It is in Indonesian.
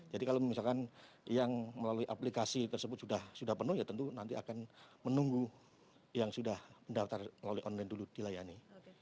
jadi kalau misalkan yang melalui aplikasi tersebut sudah penuh ya tentu nanti akan menunggu yang sudah mendaftar melalui online dulu dilayani